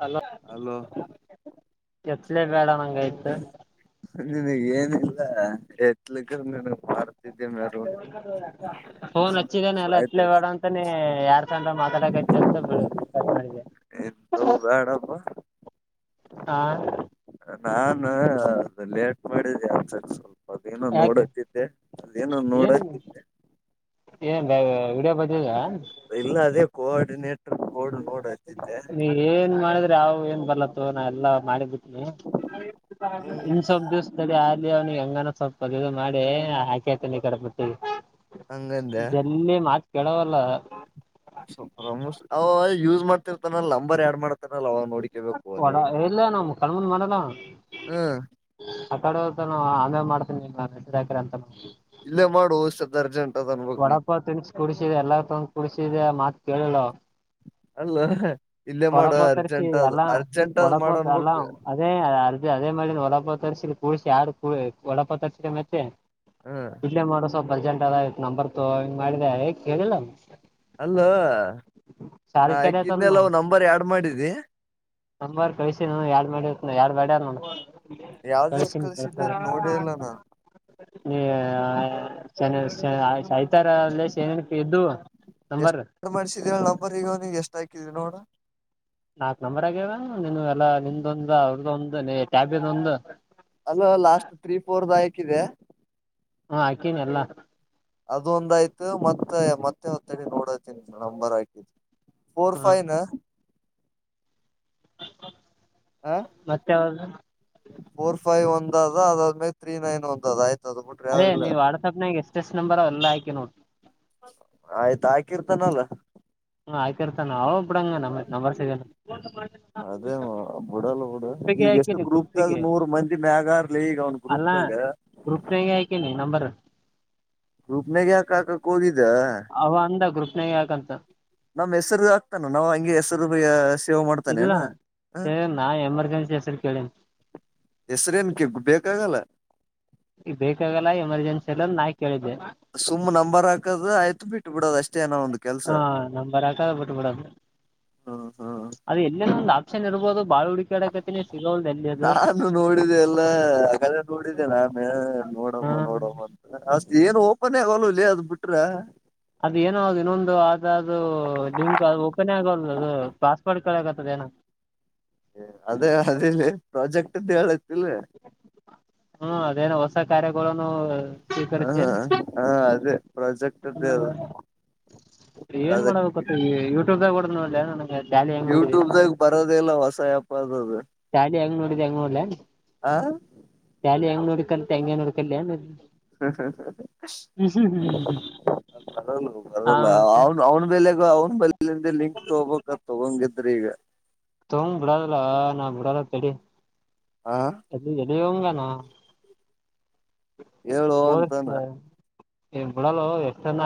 Hello hello [unintelligible] ಕೆಳ್ಸ್ ಅಲೇ ಬೇಡನಂಗಾಯ್ತೆ. ನಿನಗ್ ಏನು ಇಲ್ಲ ಎತ್ಲಿಕ್ಕ [unintelligible] ಮೆರವಣಿ ಫೋನ್ ಹಚ್ಚಿದನೆ ಎತ್ಲೊ ಆಯ್ತ್ರಿ ಬ್ಯಾಡೋ ಅಂತಾನೇ ಯಾರ್ ತಂಡ ಮಾತಾಡಕೖತಿ ಅಂತ ಬಿ ಕಟ್ ಮಾಡಿದೆೆ. ಎಂತವು ಬ್ಯಾಡಪ್ಪ ಹಾ ನಾನ ಲೇಟ್ ಮಾಡಿದ್ದೆ [unintelligible] ಅದೇನೊ ಯಾಕೆ ನೋಡಕ್ಕಿದ್ದೆ ಅಲ್ಲೇನೊ ನೋಡತ್ತಿದ್ದೆ. ಏನಂದ ವಿಡಿಯೊ ಇಲ್ಲ ಅದೇ ಕೋಡ್ ನೆಟ್ ಬೋರ್ಡ್ ಬೋರ್ಡ್ ಅಚ್ಚಿದ್ದೆ. ಯಾವು ಏನ್ ಬರ್ಲತ್ತೋ ನಾ ಎಲ್ಲ ಮಾಡಿದ್ದಿ ಹ್ಮ್ ಇನ್ನ್ ಸ್ವಲ್ಪ್ ದಿವ್ಸ್ ತಡಿ ಆ ಅಲ್ಲಿ ಅವ್ನಿಗೆ ಹೆಂಗನ ಸ್ವಲ್ಪ ಅದಿದು ಮಾಡಿ ಹಾಕಿ [unintelligible] ಅಂಗಂದ್ಯ ಓ [unintelligible] ಮಾಡ್ತಿರ್ತಾನಲ್ ನಂಬರ್ ಆಡ್ ಮಾಡ್ ನ ಅವ ನೋಡಿಕಬೇಕು ಅನಿ. ಒಡ [unintelligible] ಹಾ ಆ ಕಡೆ ಹೋತಾನವ ಹಂಗೆ ಮಾಡ್ತಿನಿ [unintelligible] ಅಂತಾನವ. ಇಲ್ಲೇ ಮಾಡು ಸಿದರ್ಜೆಂಟ್. ವಡಾ ಪಾವ್ ತಿನ್ಸಿ ಕುಡ್ಸಿದೆ ಎಲ್ಲ ತಂದ್ ಕುಡ್ಸಿದೆ ಮತ್ತ್ ಕೇಳಿಲ. ಅಲ್ಲೊ ವಡಾ ಪಾವ್ ತರ್ಸಿ ಎಲ್ಲಾ ಅದ್ ವಡಾ ಮಾಡ ಪಾವ್ ಎಲ್ಲಾ ಅನ್ಬಕ್ ಅದೇ ಅರ್ ಅದೇ ಮಾಡೀನಿ ವಡಾ ಪಾವವ ತರ್ಸಿನಿ. [unintelligible] ವಡಾಪಾವ್ ತರ್ಸಿದಿಯ ಮತ್ತೆ ಹ್ಮ್ ಇಲ್ಲೆ ಮಾಡು. ಸ್ವಲ್ಪ ಅರ್ಜೆಂಟ್ ಆದ ನಂಬರ್ ತೊಗೊ ಹಿಂಗ್ ಮಾಡಿದೆ ಕೇಳಿಲ್ಲ. ಅಲ್ಲೋ ನಾ ಸಾರಿ ಕರಿ ಆತದ್ನು ಹಾಕಿಂದೆಲ್ಲ ನಂಬರ್ ಯಾವ್ ಟ್ ಮಾಡಿದ್ದಿ? ನಂಬರ್ ಕಳಿಸಿನ ಯಾಡ್ ಮಾಡಿ ಯಾಡ್ ಮಾಡ್ಯಾರ ನ ಯಾವ್ದ ಯಾವ್ದ್ ಕಳ್ಸಿನಿ ಕಳ್ಸ ಕಳ್ಸಿದ್ದೆ ನೋಡೇ ಇಲ್ಲ ನಾ [unintelligible] ಇದ್ದು ನಂಬರ್. ಎಷ್ಟ ಮಾಡ್ಸಿದ ಹೇಳ ನಂಬರ್ ಈಗ ಅವನಿಗೆ ಎಷ್ಟ ಹಾಕಿದಿ ನೋಡ ಹತ್ ನಂಬರ್ ತಗ್ಯಲಾ ನೀನು ಎಲ್ಲ ನಿಂದೊಂದ ಅವ್ರದೊಂದ ಅದ ನೀ ಟ್ಯಾಬಿದೊಂದು. ಕ್ಕಿದೆ. ಹಾ ಹಾಕೀನಿ ಎಲ್ಲ. ಅದೊಂದಾಯ್ತು ಮತ್ತ ಮ ಮತ್ತೆ ತಡಿ ನೋಡತನ್ ನಂಬರ್ ಹಾಕಿ ಫೋರ್ ಹಾ ಫೈವ್ ನ ಮತ್ತೆ ಅವ್ರ್ದು. ಫೋರ್ ಫೈವ್ ಒಂದ ಅದ ಅದಾದ್ಮೇಲೆ ತ್ರೀ ನೈನ್ ಒಂದ ಅದ ಆಯ್ತು. ಅದೇ ನೀವು ವಾಟ್ಸಾಪ್ನಾಗ ಎಷ್ಟ್ ಎಷ್ಟ್ ನಂಬರ್ ಅವ್ ಅವೆಲ್ಲ ಆತು. [unintelligible] ಆಯ್ತು ಹಾಕಿರ್ತಾನಲ್ಲ. ಹ ಹಾಕಿರ್ತಾನ ಅವ ಬಿಡಂಗ ನ ನಂಬರ್ ಸಿಗಲ್ಲ. ಅದೇ ಬಿಡಲ್ಲ ಬಿಡು ಗ್ರೂಪಿಗೆ ಈಗ ಎಷ್ಟು ಹಾಕೀನಿ ಗ್ರೂಪದಾಗ ಗ್ರೂಪಿಗೆ ನೂರ್ ಮಂದಿ ಮ್ಯಾಗ. ಅಲ್ಲ ಗ್ರೂಪ್ನಗೆ ಆಕೇನಿ ನಂಬರು. ಗ್ರೂಪ್ನಗ ಯಾಕ್ ಹಾಕಾಕ್ ಹೋದಿ ಅವ ಅಂದ ಗ್ರುಪ್ ಯಾಕಂತ ನಮ್ ಹೆಸರು ಆಗ್ತಾನು ನಾವ್ ಹಂಗೆ ಹೆಸರು ಸೇವ್ ಇಲ್ಲ ಮಾಡ್ತಾನೇನ ಹ ನಾ ಎಮರ್ಜೆನ್ಸಿ ಹೆಸ್ರು ಕೇಳಿನಿ. ಹೆಸ್ರೇನ್ಕೆ ಬೇಕಾಗಲ್ಲ. ಈಗ ಬೇಕಾಗಲ್ಲ ಎಮರ್ಜೆನ್ಸಿ ಇಲ್ಲ ನಾಯ್ ಕೇಳಿದ್ದೆ ಸುಮ್ಮ್ ನಂಬರ್ ಹಾಕದು ಆಯ್ತು ಬಿಟ್ಟು ಬಿಡೋದು ಅಷ್ಟೇ ಏನೋ ಒಂದು ಕೆಲ್ಸ ಹ ನಂಬರಾಕದ್ ಬಿಟ್ಟ್ಬಿಡದು ಹ್ಮ್ ಹ್ಮ್ ಅದು ಎಲ್ಲನ ಒಂದ್ ಆಪ್ಷನ್ ಇರ್ಬೊದು ಬಾಳ ಹು ನಾನು ನೋಡಿದೆೆ ಎಲ್ಲ ಆ ಕಡೆ ನೋಡಿದ್ದೆ ನಾನೇ. ನೋಡಮ್ಮ ಹಾ ನೋಡಮ್ಮ ಅಂತ ಅಷ್ಟೇನು [unintelligible] ಅದ್ ಬಿಟ್ರ. ಅದ ಏನೊ ಅದಿನ್ನೊಂದು ಅದದು ಲಿಂಕ್ ಅದು ಓಪನ್ನೇ ಆಗೊಲ್ದು ಅದು ಪಾಸ್ವರ್ಡ್ ಕೇಳಗತ್ತದೇನೊ. ಅದೇ ಅದಿಲ್ಲಿ ಪ್ರಾಜೆಕ್ಟ್ ಮತ್ತೇಳ. ಹ್ಮ ಅದೇನೊ ಹೊಸ್ ಹೊಸ ಕಾರ್ಯಗಳನ್ನು ಹ ಸ್ವೀಕರಿಸ್ತೇನ್ ಹ ಅದೇ ಪ್ರಾಜೆಕ್ಟ್ ಅದೇ ಹ ಏನ್ ಅದ ಮಾಡಬೇಕತ್ತಿದಿ ಯೂಟ್ಯೂಬ್ದಾಗ್ [unintelligible] ಯೂಟ್ಯೂಬ್ದಾಗ್ ಬರೋದೆ ಇಲ್ಲ ಹೊಸ ಆಪ್. ಪಾದದೆ. ಶಾಲಿ ಹೆಂಗ ನೋಡಿದೆ ಹಂಗ್ ನೋಡ್ಲ ಹ ಶಾಲಿ ಹೆಂಗ್ ನೋಡ್ ಕ್ಕಂತೆ ಹಂಗೆ ನೋಡ್ಕಲ್ಯನು. ಬರಲ್ಲ ಅವ್ನು ಹ ಬರಲ್ಲ ಮತ್ತೆ ಅವ್ನ್ ಅವ್ನ್ ಬೆಲೆಗೂ ಅವನ್ ಬೆಲೆಲಿಂದ ಲಿಂಕ್ ತಗೋಬೇಕ್ ಅದ್ ತಗೊಂಗಿದ್ರೀಗ. ತೋಂಗ್ ಬಿಡದಲ್ಲ ನಾ ಬಿಡಲ್ಲ ತಡಿ. ಹಾ ದಿವಂಗನ? ಹೇಳು ಅಂತಾನೆ. ಏ ಬಿಡಲ್ಲೋ ತನ್ನ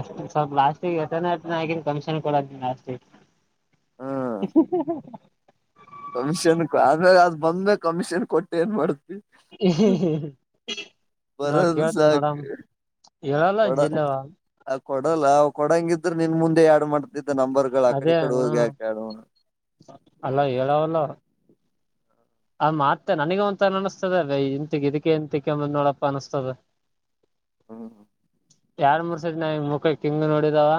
ಎಷ್ಟ್ ಸ್ವಲ್ಪ ಲಾಸ್ಟಿಗೆ ಎತನ ಆಗಿ ಕಮಿಷನ್ ಕೊಡದ ಲಾಸ್ಟಿಗ್. ಹ್ಮ್ [unintelligible] ಕಮಿಷನ್ ಆದ್ರೆ ಅದ್ ಬಂದ್ಮೇಲ್ ಕಮಿಷನ್ ಕೊಟ್ಟು ಏನ್ ಮಾಡುದ್ ನಾ ಬರೋದು ಕೇಳ್ತಿ ಸಾಕ ನಡಮ್. ಕೊಡ ಅದ್ ಕೊಡಲ್ಲ ಕೊಡಂಗಿತ್- ದ್ರ್ ನಿನ್ ಮುಂದೆ ಎಡ್ ಮಾಡ್ ತಿದ್ದ ನಂಬರ್ಗಳ್ ಆಕಡೆ ಅದೇ ಈಕಡೆ ಹ ಹೋಗಿ ಯಾಕ್ [unintelligible] ಅಲ್ಲ ಹೇಳಾವಲ್ಲ. ಆ ಮಾತ್ತ ನನಗ ಒಂತರ ಅನಿಸ್ತದೆ ಇಂತ ಇದಕ್ಕೆ ಇಂತಿಕಂಬಂದ್ ನೋಡಪ್ಪ ಅನಸ್ತದ. ಹ್ಮ್ ಯಾರ ಮುರ್ಸರಿ ನ ಮುಕ ಕಿಂಗ್ ನೋಡಿದಾವ.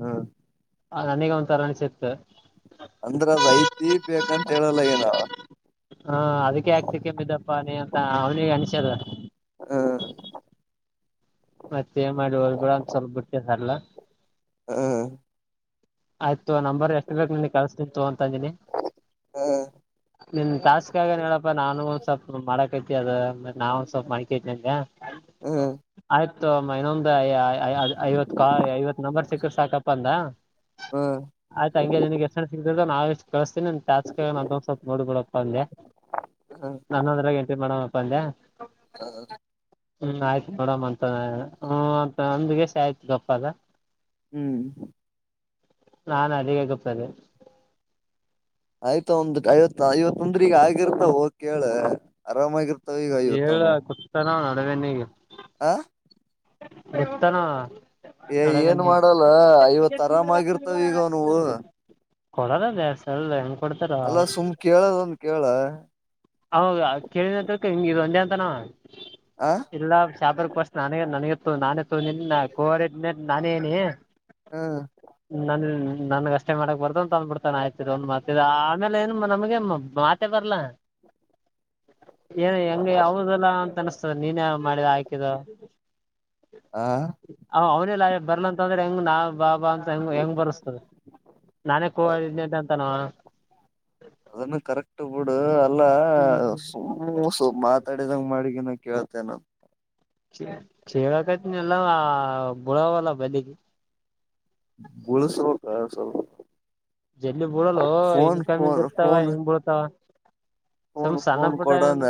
ಹಾ ಆ ನನಗ ಒಂಥರಾ ಅನಿಸಿತ್ತ. ಅಂದ್ರ ಅದ ಐತಿ ಬೇಕಂತ ಹೇಳಲ್ಲ ಆಗ್ಯಾನವ. ಹ ಅದಕ್ಕೆ ಯಾಕ್ ತಿಕ್ಕೆಂಬಿದ್ದಪ್ಪ ನೀ ಅಂತ ಅವ್ನಿಗೆ ಅನ್ಸದ ಹ್ಮ ಮತ್ತೇನ್ ಮಾಡಿ ಹೋಗ್ಬಿಡ್ಲಾ ಅಂತ ಸ್ವಲ್ಪ ಬಿಟ್ಟಿದಾರ್ಲ. ಹ ಆಯ್ತ್ ತುಗೊ ನಂಬರ್ ಎಷ್ಟ ಬೇಕ್ ನಿನಗ ಕಲ್ಸತಿನ ತಗೊ ತಂದಿನಿ ಹ್ಮ್ [unintelligible] ನಿನ್ ಟಾಸ್ಕ್ ಆಗಾನ ಹೇಳಪ್ಪಾ ನಾನು ಸ್ವಲ್ಪ ಮಾಡಕೈತಿ ಅದ ನಾವು ಸ್ವಲ್ಪ್ ಮಾಡ್ಕ್ಯಂತ್ನಿ ಅನ್ನೇ ಹ ಆಯ್ತು ತುಗೊ ಮ ಇನ್ನೊ ದ ಐ ಐವತ್ ಕಾಲ್ ಐವತ್ ನಂಬರ್ ಸಿಕ್ರ ಸಾಕಪ್ಪ ಅಂದ [unintelligible] ಹ್ಮ್ ಹ್ಮ್ ಆಯ್ತ್ ಹಂಗೆ ನಿನಗೆ ಹೆಸರ ಸಿ ದ ನಾವೆಷ್ ಕಳಿಸತೀನಿ ನನ್ನ ಟಾಸ್ಕನ್ಯಾಗ ನಂದೊಂದ್ ಸ್ವಲ್ಪ ನೋಡ್ಬಡಪ್ಪ ಅಂದ್ಯ [unintelligible] ಹ್ಮ್ ನನ್ನ ಅದ್ರಗೆ ಎಂಟ್ರಿ ಮಾಡೋ ಪ್ಪಂದ್ಯ ಹಾ ಹ್ಮ್ ಆಯ್ತ್ ನೋಡಮ್ ಅ ತ ಹೂ ಅಂತ ಅಂದಗೆಸಿ ಆಯ್ತು ಗಪ್ಪದ ಹ್ಮ್ [unintelligible] ನಾನ್ ಅಲ್ಲಿಗೆ ಗಪ್ ಆದೆ. ಆಯ್ತ್ ಅವನ್ದು ಐವ ಐವತ್ತಂದ್ರ ಈಗ ಆಗಿರ್ತವ ಹೋಗ್ ಕೇಳ ಅರಮಾಗಿರ್ ಹೇಳ ಕುತ್ತಾನ ಅವ ತಗನ್ನಿಗ ಹ [unintelligible] ಕುತ್ತಾನವ ಏ ಏನ್ ಮಾಡಲ್ಲ ಐವತ್ ಆರಾಮಾಗಿರ್ತವ ಈಗ ಅವನ್ವು. ಏ ಸಲ್ ಕೊಡ್ತಾರ ಅಲ್ಲ ಸುಮ್ ಕೇಳದೊಂದ್ ಕೇಳ ಹೌದ ಕೇಳಿದ್ನಂತ ತಿಳ್ಕ ಹಿಂಗ್ ಇದೊಂದೇ ತನವ [unintelligible] ಆ ಇಲ್ಲ ಶಾಪರ್ ಫಸ್ಟ್ ನಾನೇ ನನಗೆ ತು ನಾನೇ ತಗೊಂದೀನಿ ನಾ ಕೋಆರ್ಡಿನೇಟ್ ನಾನೇನಿ [unintelligible] ಹ್ಮ ನಾನು ನನ್ಗ ಅಷ್ಟೇ ಮಾಡಕ್ ಬರ್ತ ಅಂದ್ಬಿಡ್ತನ ಆಯ್ತ್ ಇದೊಂದ್ ಮಾತ ಆಮೇಲೆ ಏನ್ ನಮಗೆ ಮಾತೆ ಬರ್ಲಾ [unintelligible] ಏನು ಹೆಂಗ ಯಾವದಲ್ಲ ಅಂತ ಅನಸ್ತದೆ ನೀನ್ ಮಾಡಿದ ಆಕಿದ [unintelligible] ಆ ಹ ಅವ ಲಾ ಬರ್ಲಂತ ಅಂದ್ರೆ ಹೆಂಗ್ ನಾ ಬಾಬಾ ಅಂತ ಹೆಂಗ ಹೆಂಗ್ ಬರ್ಸ್ತದೆ [unintelligible] ನಾನೇ ಕೋಆರ್ಡಿನೇಟ್ ಅಂತನ ಅವ. ಅದುನು ಕರೆಕ್ಟ್ ಬುಡು ಎಲ್ಲ ಹ್ಮ್ ಸುಮ್ ಸೂ ಮಾತಾಡಿದಂಗ ಮಾಡಿಗಿನ ಕೇಳ್ ತೇನು ಚೆ ಚಕೇಳಕತ್ನಿ ಅಲ್ಲ ಬುಳವಲ್ಲ ಬಲ್ಲಿ ಉಳಿಸಬೇಕು ಸ್ವಲ್ಪ. ಜಲ್ಲಿ ಬೀಳಲ್ಲೋ ಇನ್ ಫೋನ್ ಕಮ್ಮಿಂಗ ಫೋನ್ ಇರ್ತಾವ ಫೋನ್ ಹೆಂಗ್ ಬೀಳ್ತಾವ ಫೋನ್ ಸುಮ್ ಸಣ್ಣ ಫೋನ್ ಪುಟ್ಟ ಕೊಡನ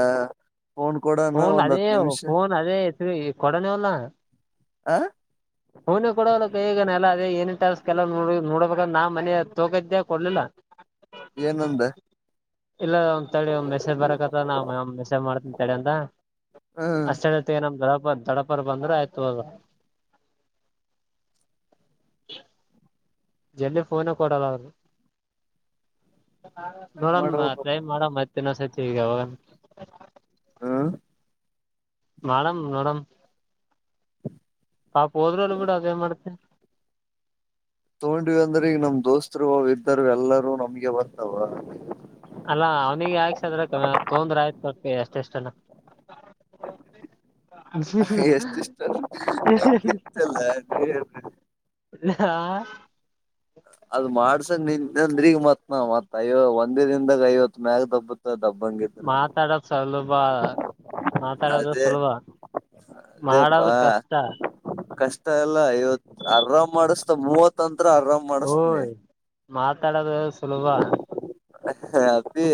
ಫೋನ್ ಕೊಡನು ಒಂದ್ ಹತ್ತು ನಿಮಿಷ. ಸರಿ ಕೊಡನವಲ್ಲ. ಆ ಫೋನ್ ಕೊಡವಲ ಕೈಗೆ ನ ಎಲ್ಲಾ ಅದೇ ಏನೇನ್ ಟಾಸ್ಕ್ ಎಲ್ಲಾ ನೋಡಿ ನೋಡಬೇಕಂದ ನಾ ಮನೆ ತಗೋಕತ್ಯ ಕೊಡ್ಲಿಲ್ಲ. ಏನಂದ ಇಲ್ಲ ಒಂದ್ ತಡಿ ಒಂದ ಮೆಸೇಜ್ ಬರಕತ್ತದ ನಾ ಒಂದ ಮೆಸೇಜ್ ಮಾಡ್ತನಿ ತಡಿ ಅಂದ ಹ್ಮ ಅಷ್ಟತ್ತ ನಮ್ಮ ದೊಡ್ಡಪ್ಪ ಬಂದ್ ದೊಡ್ಡಪ್ಪರ್ ಬಂದ್ರೆ ಆಯ್ತ್ ಹೋಗು. [inaudible] ಜಲ್ದಿ ಫೋನು ಕೊಡಲ್ಲ ಅವನು ಹಂಗ್ ನೋಡಮ ಮಾಡ್ಬೇಕ ಟ್ರೈ ಮಾಡನ ಮತ್ತ ಇನ್ನೊಂದ್ ಸತಿ ಈಗ್ ಯಾವಾಗ ಹಾ ಮಾಡಮ್ ನೋಡಮ ಪಾಪ್ ಹೋದ್ರಲ್ಲ ಬಿಡ ಅದೇನ್ ಮಾಡ್ತಿ. ತಗೊಂಡ್ವಿ ಅಂದ್ರೆ ಈಗ ನಮ್ ದೋಸ್ತರು ಅವ ಇರ್ತಾರೆ ಎಲ್ಲರೂ ನಮ್ಗೆ ಬರ್ತಾವ. ಅಲ್ಲಾ ಅವ್ನಿಗೆ ಯಾಕ್ಸದ್ರ ತೊಂದ್ರ ಆಯ್ತು [unintelligible] ಎಷ್ಟಿಷ್ಟ [unintelligible] ಆ ಅದ್ ಮಾಡ್ಸಕ್ ನಿಂತ್ ಅಂದ್ರೀಗ್ ಮತ್ನಾ ಮತ್ ಅಯ್ಯೋ ಒಂದೇ ದಿನದಾಗ ಐವತ್ ಮ್ಯಾಗ ದಬ್ಬತ್ದ ಮಾತಾಡೋದ್ ಸುಲಭ ಮಾತಾಡೋದ ಅದೇ ಸುಲಭ ಮಾಡೋದ ಕಷ್ಟ. ತ ಎಲ್ಲ ಐವತ್ತು ಆರಾಮ್ ಮಾಡಿಸ್ತ ಮೂವತ್ಂತ್ರ ಅರ ಮಾಡುಸ್ತೀನಿ ಮಾತ್ ಮಾತಾಡೋದು ಸುಲಭ ಹ ಅಪ್ಪಿ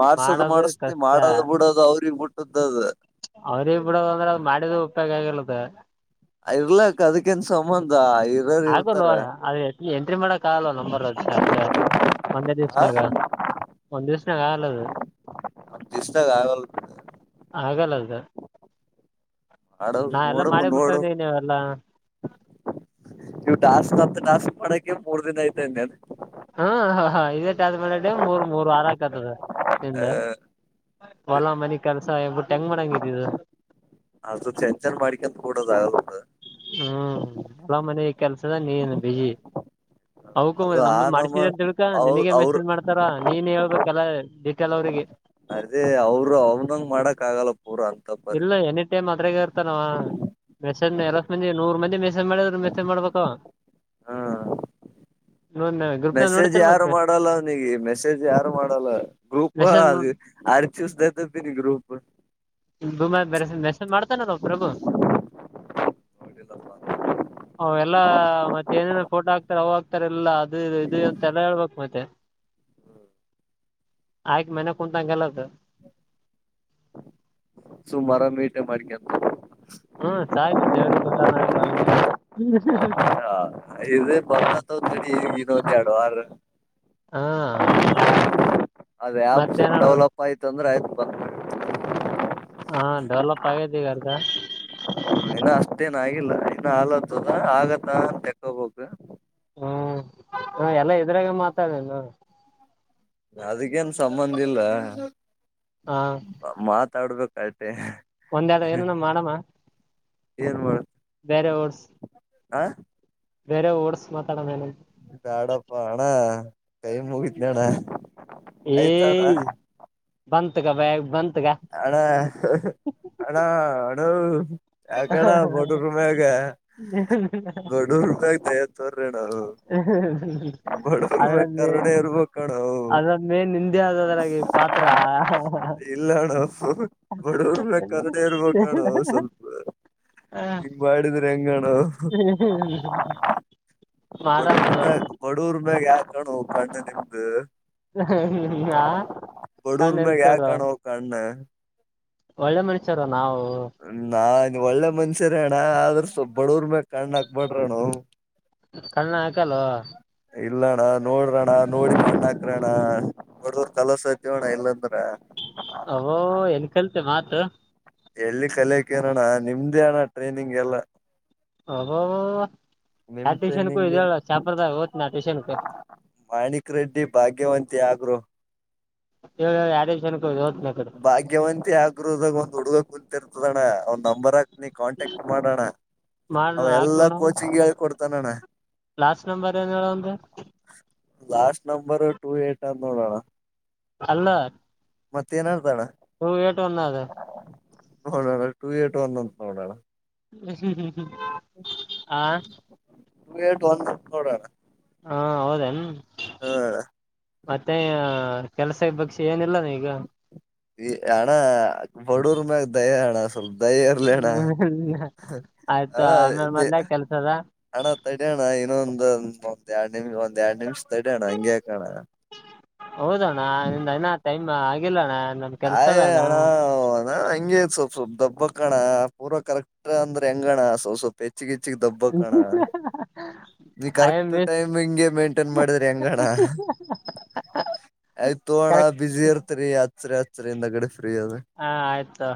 ಮಾಡ್ಸದ ಮಾಡೋದು ಮಾಡಿಸ್ತೀನಿ ಕಷ್ಟ ಮಾಡದ ಬಿಡದು ಅವ್ರಿಗೆ ಬಿಟ್ಟ ಅವ್ರಿಗೆ ಬಿಡದ ಅಂದ್ರೆ ಅದು ಮಾಡಿದ [unintelligible] ಇರ್ಲಾಕ್ಕ ಅದಕ್ಕನ್ ಸಂಬಂಧ ಇರೋರ್ ಆಗಲ್ವ ಇರ್ತಾರ ಅಣ್ಣಾ ಅದು ಏ ಎಂಟ್ರಿ ಮಾಡಕ್ ಆಗಲ್ಲ ನಂಬರ್ ಅಷ್ಟೆ ಒಂದೇ ಆ ದಿವ್ಸನಾಗ ಒಂದ್ ದಿವಸ ಒಂದಿವ್ಸ್ನಾಗಲ್ಲ ಅದು. ದಿಸದಾಗ ಆಗಲ್ಲ. ಆಗಲ್ಲ ಅದ ಮಾಡೋ ನಾವೆಲ್ಲಾ ನೋಡ ಮಾಡೇ ಬಿಟ್ಟಿವಿ ನೋಡು ದೀ ನೀವೆಲ್ಲಾ. ಮತ್ತ ಟಾಸ್ಕ್ ಮಡಕ್ಕೆ ಮೂರ್ ದಿನ ಆಯತು ಹಾ ಹ ಹಾ ಇದೇ ಟಾಸ್ಕ್ ಮಾಡದೇ ಮೂರ್ ಮೂರು ವಾರ ಆಗ್ [unintelligible] [unintelligible] ಸ ಬುಟ್ಟು ಹೆಂಗ್ ಮಾಡಂಗಿದಿದು. ಅದು ಟೆನ್ಶನ್ ಮಾಡ್ಕ್ಯಂತ್ ಕೂಡದ ಆಗಲದು ಬಿಡು ಹ್ಮ್ ಹೊಲ ಮನೆ ಕೆಲ್ಸದ ನೀನ್ ಏನ್ ಬಿಜಿ ಅವುಕುವೆ ಅದು ಆ ನಮ್ದುನ್ ನಮ್ಮ ಮಾಡಿಸಿದ ಅಂತ್ ತಿಳ್ಕಾ ಅವ ನಿನಗೆ ಅವ್ರ ಮೆಸೇಜ್ ಮಾಡ್ತಾರ ನೀನ್ ಹೇಳ್ಬೇಕು. ಕೆಲ ಡೀಟೇಲ್ ಅವ್ರರಿಗೆ. ಅದೇ ಅವರು ಅವ್ನಗ್ ಮಾಡಕ್ ಆಗಲ್ಲ ಪೂರ ಅಂತ ಪರಿ ಇಲ್ಲ ಎನಿ ಟೈಮ್ ಅದ್ರಾಗ ಇರ್ತಾನವ. ಮೆಸೇಜ್ ಅರವತ್ ಮಂದಿ ನೂರ್ ಮಂದಿ ಮೆಸೇಜ್ ಮಾಡಿದ್ರ ಮೆಸೇಜ್ ಮಾಡ್ಬೇಕ ಅವ ಹಾ ಮೆಸೇಜ್ ಯಾರು ಮಾಡಲ್ಲ ಅವ್ನಿಗೆ ಮೆಸೇಜ್ ಯಾರು ಮಾಡಲ್ಲ ಗ್ರೂಪ್ ಅದ ಆಡ್ [unintelligible] ಗ್ರೂಪ್ [unintelligible] ಮೆಸೇಜ್ ಮಾಡ್ತಾನಲ್ಲ ಅವ ಪ್ರಭು ನೋಡಿಲ್ಲಪ್ಪ ಅವ ಎಲ್ಲಾ ಮತ್ತೆ ಏನೇನೋ ಫೋಟೋ ಅಕ್ ಅವಾಗ್ತಾರೆಲ್ಲ ಅದು ಇದು ಇದು ಅಂತೆಲ್ಲ ಹೇಳ್ಬೇಕು ಮತ್ತೆ. ಆಯ್ಕ್ ಮನೆಯಾಗ್ ಕುಂತಂಗಲ್ಲದು ಸೋಮವಾರ ಮೀಟೆ ಅಂಗಿ ಮಾಡ್ಕೋತಾರೆ. ಹ್ಮ ಸಾಕ್ ದೇವ್ರ ಕೊಟ್ಟಾನ ಕಣ್ಣು ಹ ಇದೆ ಬರ್ತೈತೆ ತಡಿ ಇನ್ನೊಂದು ಎರಡು ವಾರ ಹಾ ಅದ ಆಪ್ಸ್ ಮತ್ತೇನ್ ನಡ್ದದ ಡೆವಲಪ್ ಆಯ್ತ ಅಂದ್ರ ಆಯ್ತು. ಬ [inaudible] ಹಾ ಡೆವಲಪ್ ಅಗೈತಿ ಈಗ ಅರ್ಧ ಇನ್ನ ಅಷ್ಟೇನ್ ಆಗಿಲ್ಲ ಇನ್ನ ಆಲತ್ತದ ಆಗತ್ತ ಅಂತ ತಕ್ಕಬೇಕು ಹ್ಮ್ ಹ ಎಲ್ಲ ಇದರಾಗ ಮಾತಾಡನು ಅದಕ್ಕೇನ್ ಸಂಬಂಧ ಇಲ್ಲ ಮಾತಾಡ್ಬೇಕು ಒಂದ ಯಾಡ್ ಏನನ ಮಾಡಮಾ. ಏನ್ ಮಾಡ್ ಬ್ಯಾರೆ ಓರ್ಸ್. ಆ. ಬೇರೆ ಓಡ್ಸ್ ಮಾತಾಡಣೇನ. ಬ್ಯಾಡಪ್ಪಾ ಅಣಾ ಕೈ ಮುಗಿತೇನ್ ಅಣ್ಣಾ. ಏ ಬಂತಗ ಬಾಯಾಗ್ ಬ ಅಣಾ ಅಣಾ ಅನೋ ಯಾಕಣ್ಣ ಬಡುವರ ಮ್ಯಾಗ ಬಡುರ ಮ್ಯಾಗ. ತೋರ್ರಿ ಅಣ್ಣ ಬಡೂರ್ ಮ್ಯಾಗ ಅದರಾಗ ಮೆನ್ ಕರುಣೆ ಇರ್ಬೇಕ ಅಣ್ಣ ಅದರಾಗ ಮೇನ್ ನಿಂದ. ನಿಂದೆ ಅದಅದರಾಗ ಪಾತ್ರ ಇಲ್ಲ ಅಣ್ಣ ಬಡೂರ್ ಮ್ಯಾಗ ಕರುಣೆ ಇರ್ಬೇಕ ಅಣ್ಣ ಸ್ವಲ್ಪ ಹಾ ಹಾ. ಹಿಂಗ್ ಮಾಡಿದ್ರೆ ಹೆಂಗ ಅಣ್ಣ ಬಡವೂರ್ ಮ್ಯಾಲ್ ಬಡೂರ್. ನಮ್ಮ ಮ್ಯಾಲ ಯಾಕ ಅನ್ನೋ ಕಣ್ ನಿಮ್ದ ಆ ಕಣ್ಣ ಬಡೂರ್ ಮ್ಯಾಗ ಎಲ್ತಾರ ಯಾಕ ಅನೊ ಕಣ್ಣ. ಒಳ್ಳೆ ಮನುಷ್ಯರ. ನಾನ್ ಒಳ್ಳೆ ಮನ್ಷ ಸರಿ ಅಣ್ಣಾ ಆದ್ರ ಸೊಪ್ಪ ಬಡುರ್ ಮ್ಯಾಲ ಕಣ್ಣ ಹಾಕ್ಬ್ಯಾಡ್ರ ಅನೊ. ಕಣ್ಣ ಹಾಕಲ್ಲೋ. ಇಲ್ಲಾ ಅಣ್ಣಾ ನೋಡ್ರಣ್ಣ ನೋಡಿ ಕಣ್ಣ ಹಾಕ್ರನ್ನಾ ಬಡುರ ತಲಸ ಐತಿವ ಅಣ್ಣಾ ಇಲ್ಲಂದ ಅ ವೋ ಹೆಂಗ ಕಲ್ತೆ ಮಾ ತ ಎಲ್ಲಿ ಕಲಿಯಕ್ಕೆ ಎನ್ ಅಣ್ಣಾ ನಿಮ್ದೇ ಅಣ್ಣಾ ಟ್ರೈನಿಂಗ್ ಎಲ್ಲಾ. ಅಬಾಬಾಬಾ. ನಿಮ್ ಟ್ರೈನಿಂಗ್ಲಿ ಓದ್ತೀನಿ ಆ ಟ್ಯೂಷನ್ಕ್ ಮಾಣಿಕ್ ರೆಡ್ಡಿ ಭಾಗ್ಯವಂತಿ ಆಗ್ರೋ. ಹೇಳ್ ಹೇಳ್ ಯಾರಿಗ್ ಭಾಗ್ಯವಂತಿ ಆಕರೋದಾಗ ಒಂದ್ ಹುಡುಗ ಕುಂತಿರ್ತದಣ್ಣ ಅವ್ ನಂಬರ್ ಹಾಕ್ನಿ ಕಾಂಟ್ಯಾಕ್ಟ್ ಮಾಡ ಅಣ್ಣಾ ಮಾಡ್ ಅವ ಹಾಕ್ ಎಲ್ಲಾ ನೋಡಮ್ ಕೋಚಿಂಗ್ ಹೇಳಿಕೊಡ್ ತನ ಅಣ್ಣಾ. ಲಾಸ್ಟ್ ನಂಬರ್ ಏನ ಹೇಳ ಅವನ್ದ. ಲಾಸ್ಟ್ ನಂಬರ್ ಟೂ ಏಟ್ ಅಂದ ನೋಡ ಅಣ್ಣಾ. ಅಲ್ಲಾ. ಮತ್ ಏನ್ ಹೇಳ್ದನ. ಟೂ ಏಟ [unintelligible] ನೋಡಣ್ಣಾ ಟು ಏಟ್ ಒಂದಂತ್ ನೋಡಣ್ಣಾ. ಹ ಹ್ಮ್ ಹ್ಮ್ ಆ ಟು ಏಟ್ ಒನ್ ನೋಡಣ. ಹಾ ಹೌದೇನು? ಹ್ಮ ಮತ್ತೆ ಕೆಲ್ಸ ಬಗ್ಸೆ ಏನಿಲ್ಲಾನ್ ಈಗ. ಈ ಅಣ ಬಡೂರ್ ಮ್ಯಾಗ ದಯ ಅಣ್ಣ ಸ್ವಲ್ಪ ದಯೆ ಇರ್ಲಿಣ್ಣ ಆಯ್ತು ಅಣ ಆಮೇಲೆ ಮೊದ್ಲ ಕೆಲ್ಸದ ಅಣ ತಡಿಯಣ ಇನ್ನೊಂದು ಒಂದ್ ಯಾಡ್ ನಿಮ್ ಒಂದ್ ಯಾಡ್ ನಿಮ್ಷ್ ತಡಿಯಣ್ಣ ಹಿಂಗ್ಯಾಕಣ್ಣ. ಹೌದಣ್ಣ ನಿಮ್ದ್ ಅಣ ಟೈಮ್ ಆಗಿಲ್ಲಣ್ಣ. ನಮ್ ಕೆಲ್ಸ ಆಯ್ ಅದಣ್ಣ ಅಣ ಹೊ ನಾನ್ ಹಂಗೆ ಸ್ವಲ್ಪ್ ಸ್ವಲ್ಪ್ ದಬ್ಬಾಕಣ್ಣ ಪೂರ್ವ ಕರೆಕ್ಟ್ರ್ ಅಂದ್ರೆ ಹೆಂಗಣ ಸ ಸ್ವಲ್ಪ ಎಚ್ಚ್ ಹೆಚ್ಚಿಗಿಚ್ಚಗ ದಬ್ಬಕಣ ನೀ ಐ ಎಮ್ ಕರೆಕ್ಟ್ ಟೈಮ್ ಹಿಂಗೆ ಮೇಂಟೈನ್ ಮಾಡಿದ್ರೆಂಗಣ ಆಯ್ತ್ ತೋಣ್ಣ ಕರೆಕ್ಟ್ ಬಿಸಿ ಇರ್ತರಿ. ಸರಿ ಹಚ್ರಿ ನಗಡು ಹಾ ಆಯ್ತು.